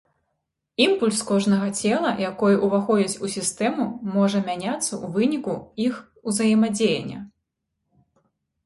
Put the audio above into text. Імпульс кожнага цела, якое ўваходзіць у сістэму, можа мяняцца ў выніку іх узаемадзеяння.